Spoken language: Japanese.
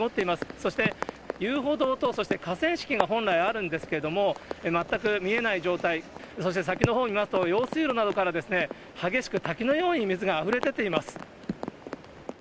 そして、遊歩道と河川敷が本来あるんですけれども、全く見えない状態、そして先のほう見ますと、用水路などから激しく滝のように水があふれ出ています。